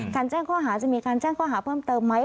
แจ้งข้อหาจะมีการแจ้งข้อหาเพิ่มเติมไหม